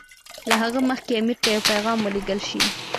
له هغه مخکې امیر ته یو پیغام ولېږل شي.